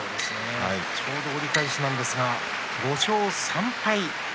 ちょうど折り返しなんですが５勝３敗。